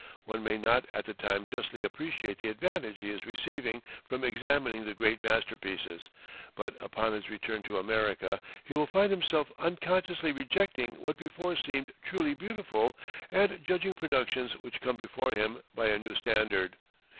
One may not at the time justly appreciate the advantage he is receiving from examining the great masterpieces, but upon his return to America he will find himself unconsciously rejecting what before seemed truly beautiful, and judging productions which come before him by a new standard.